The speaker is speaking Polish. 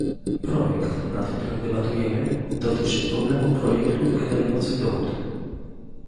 Projekt, nad którym debatujemy, dotyczy problemu projektów generujących dochód